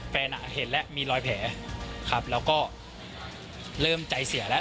เห็นแล้วมีรอยแผลครับแล้วก็เริ่มใจเสียแล้ว